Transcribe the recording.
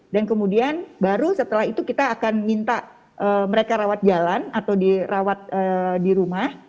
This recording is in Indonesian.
dan kemudian baru setelah itu kita akan minta mereka rawat jalan atau dirawat di rumah